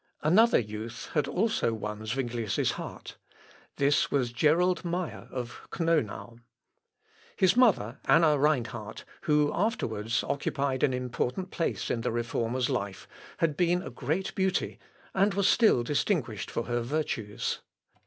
Another youth had also won Zuinglius' heart: this was Gerold Meyer of Knonau. His mother, Anna Reinhardt, who afterwards occupied an important place in the Reformer's life, had been a great beauty, and was still distinguished for her virtues.